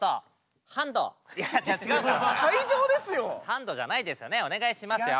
ハンドじゃないですよねお願いしますよ。